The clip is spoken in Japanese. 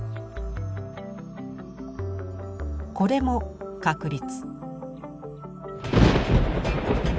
これも確率。